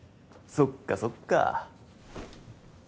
そっかそっか。